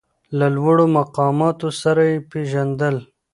له لوړو مقاماتو سره یې پېژندل.